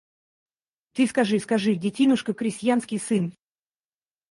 Ты скажи, скажи, детинушка крестьянский сын